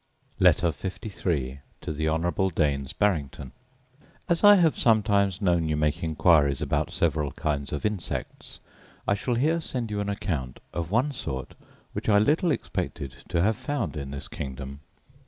Letter LIII To The Honourable Daines Barrington As I have sometimes known you make inquiries about several kinds of insects, I shall here send you an account of one sort which I little expected to have found in this kingdom.